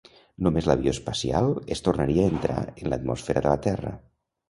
Només l'avió espacial es tornaria a entrar en l'atmosfera de la Terra.